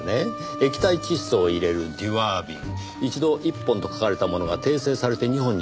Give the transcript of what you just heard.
液体窒素を入れるデュワー瓶一度１本と書かれたものが訂正されて２本になっていますね。